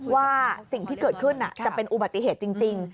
ว่าสิ่งที่เกิดขึ้นจะเป็นอุบัติเหตุจริง